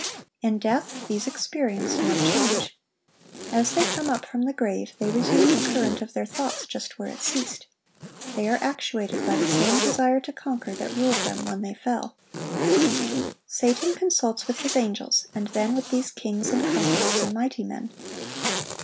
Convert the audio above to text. In death these experienced no change. As they come up from the grave, they resume the current of their thoughts just where it ceased. They are actuated by the same desire to conquer that ruled them when they fell. Satan consults with his angels, and then with these kings and conquerors and mighty men.